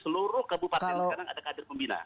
seluruh kabupaten sekarang ada kader pembina